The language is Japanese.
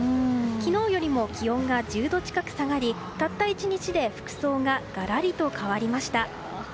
昨日よりも気温が１０度近く下がりたった１日で服装ががらりと変わりました。